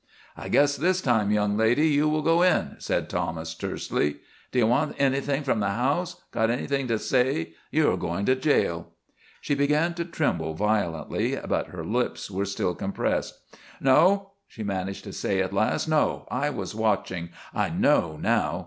"I guess this time, young lady, you will go in," said Thomas, tersely. "Do you want anything from the house? Got any thing to say? You are going to jail." She began to tremble violently, but her lips were still compressed. "No," she managed to say at last. "No! I was watching! I know now!